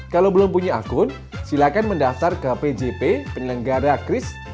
kalau belum punya akun silakan mendaftar ke pjp penyelenggara kris